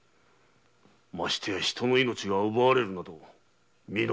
ましてや人の命が奪われるなど見逃せん。